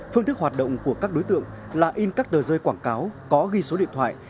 phương thức hoạt động của các đối tượng là in các tờ rơi quảng cáo có ghi số điện thoại